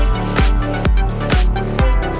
เพลง